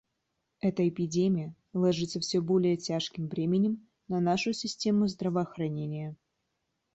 Эта эпидемия ложится всё более тяжким бременем на нашу систему здравоохранения.